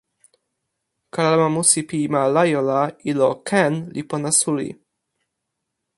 kalama musi pi ma Lajo la ilo Ken li pona suli.